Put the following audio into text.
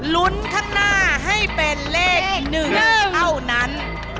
ลุ้นข้างหน้าให้เป็นเลข๑เท่านั้น